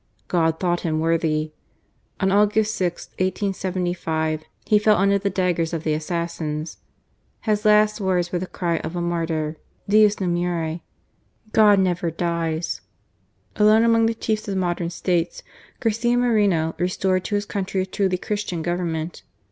God thought him worthy. On August 6, 1875, he fell under the daggers of the assassins. His last words were the cry of a martyr : Dios no mmre —" God never dies." Alone among the chiefs of modern States, Garcia Moreno restored to his country a truly Christian Government.